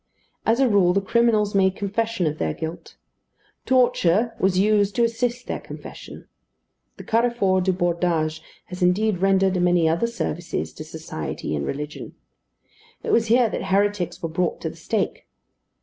As a rule the criminals made confession of their guilt. Torture was used to assist their confession. The Carrefour du Bordage has indeed rendered many other services to society and religion. It was here that heretics were brought to the stake.